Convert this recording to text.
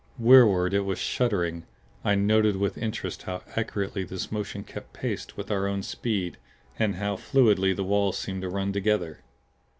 Rearward it was shutting. I noted with interest how accurately this motion kept pace with our own speed, and how fluidly the walls seemed to run together.